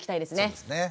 そうですね。